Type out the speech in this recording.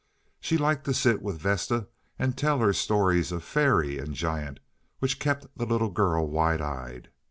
She liked to sit with Vesta and tell her stories of fairy and giant, which kept the little girl wide eyed.